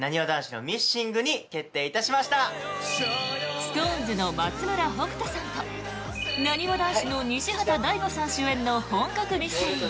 ＳｉｘＴＯＮＥＳの松村北斗さんとなにわ男子の西畑大吾さん主演の本格ミステリー